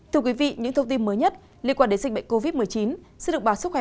thưa quý vị những thông tin mới nhất liên quan đến dịch bệnh covid một mươi chín sẽ được báo sức khỏe